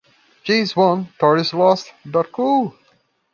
Jays won...Tories lost.. dot cool!